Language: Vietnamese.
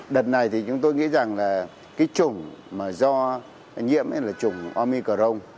đợt này thì chúng tôi nghĩ rằng là cái chủng do nhiễm là chủng omicron